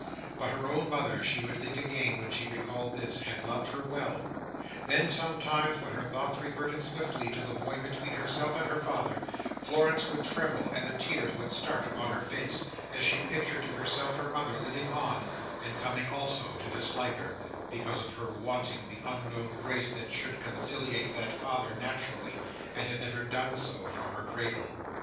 But her own mother, she would think again, when she recalled this, had loved her well. Then, sometimes, when her thoughts reverted swiftly to the void between herself and her father, Florence would tremble, and the tears would start upon her face, as she pictured to herself her mother living on, and coming also to dislike her, because of her wanting the unknown grace that should conciliate that father naturally, and had never done so from her cradle.